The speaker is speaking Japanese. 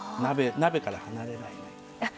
鍋から離れないで。